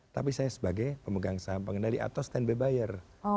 tapi saya sebagai pemegang saham pengendali atau standby buyer